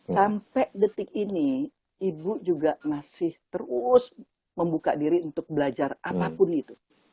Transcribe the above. sampai detik ini ibu juga masih terus membuka diri untuk belajar apapun itu